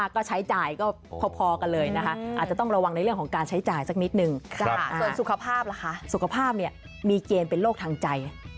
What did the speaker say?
โรคข้างใจโรคหัวใจเหรอฮะ